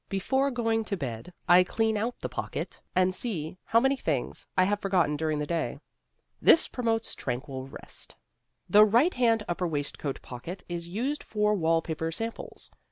Before going to bed I clean out the pocket and see how many things I have forgotten during the day. This promotes tranquil rest. The right hand upper waistcoat pocket is used for wall paper samples.